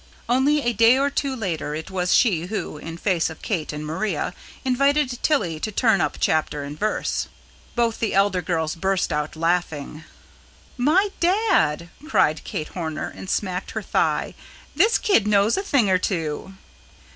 Only a day or two later it was she who, in face of Kate and Maria, invited Tilly to turn up chapter and verse. Both the elder girls burst out laughing. "By dad!" cried Kate Horner, and smacked her thigh. "This kid knows a thing or two."